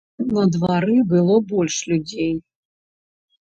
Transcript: На двары было больш людзей.